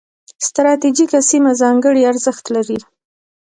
ستراتیژیکه سیمه ځانګړي ارزښت لري.